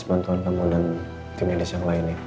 bantuan kamu dan tim hades yang lainnya